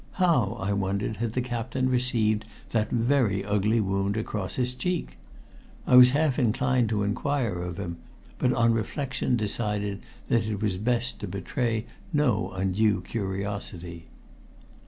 How, I wondered, had the captain received that very ugly wound across the cheek? I was half inclined to inquire of him, but on reflection decided that it was best to betray no undue curiosity.